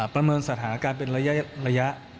ประเมินสถานการณ์เป็นระยะ